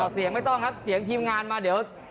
เสียงไม่ต้องครับเสียงทีมงานมาเดี๋ยว